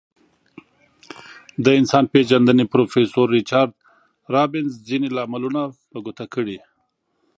د انسان پیژندنې پروفیسور ریچارد رابینز ځینې لاملونه په ګوته کړي.